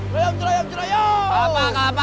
terayam terayam terayam